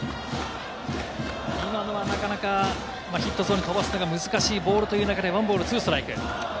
今のはなかなかヒットゾーンに飛ばすのが難しいボールという中で１ボール２ストライク。